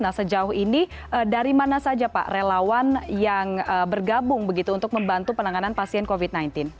nah sejauh ini dari mana saja pak relawan yang bergabung begitu untuk membantu penanganan pasien covid sembilan belas